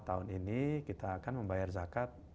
tahun ini kita akan membayar zakat